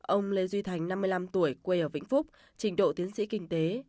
ông lê duy thành năm mươi năm tuổi quê ở vĩnh phúc trình độ tiến sĩ kinh tế